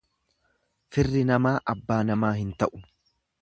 Firri namaa abbaa namaa hin ta'u.